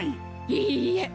いいえ